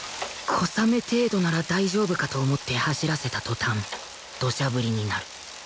小雨程度なら大丈夫かと思って走らせた途端土砂降りになる